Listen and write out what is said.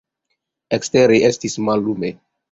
Ekstere estis mallume.